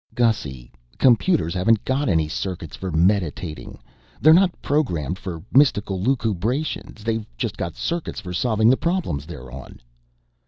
"Gussy, computers haven't got any circuits for meditating. They're not programmed for mystical lucubrations. They've just got circuits for solving the problems they're on."